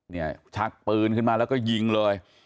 ชักปืนขึ้นมาแล้วก็ยิงเลย